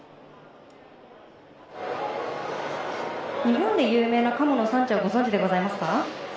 日本で有名な鴨の産地はご存じでございますか？